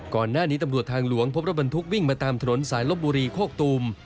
ก่อนหน้านี้ตำรวจทางหลวงพบรถบรรทุกวิ่งมาตามถนนสายลบบุรีโคกตูม